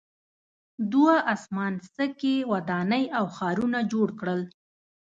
دوی اسمان څکې ودانۍ او ښارونه جوړ کړل.